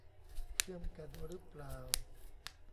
เชื่อมกันรึเปล่า